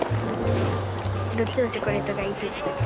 どっちのチョコレートがいいって言ってた？